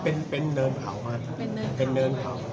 เป็นเนินของเรา